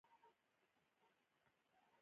دنیوي چارې کم اهمیته ښکاره شي.